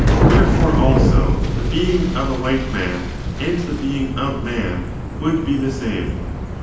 Wherefore, also, the being of a white man, and the being of man, would be the same.